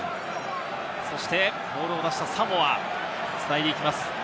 そしてボールを出したサモア、繋いでいきます。